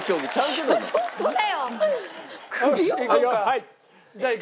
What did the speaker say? はい。